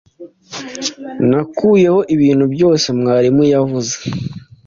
Nakuyeho ibintu byose mwarimu yavuze.